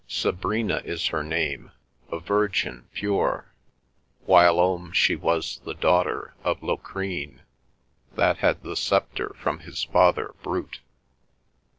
Sabrina is her name, a virgin pure; Whilom she was the daughter of Locrine, That had the sceptre from his father Brute.